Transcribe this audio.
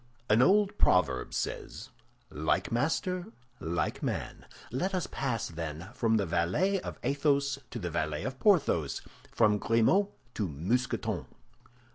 An old proverb says, "Like master, like man." Let us pass, then, from the valet of Athos to the valet of Porthos, from Grimaud to Mousqueton.